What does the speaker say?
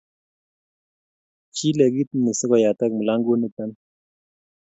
Chile kit ni so koyatak mlagut nito ni